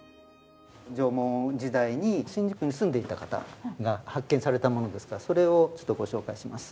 縄文時代に新宿に住んでいた方が発見されたものですからそれをちょっとご紹介します。